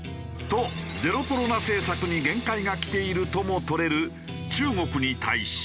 とゼロコロナ政策に限界が来ているとも取れる中国に対し。